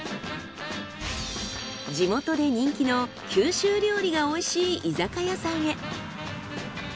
地元で人気の九州料理が美味しい居酒屋さんへ。